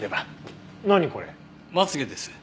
まつ毛です。